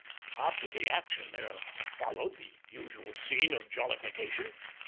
After the action there followed the usual scene of jollification.